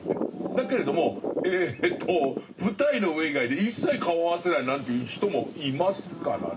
だけれどもえと舞台の上以外で一切顔合わせないなんていう人もいますからね。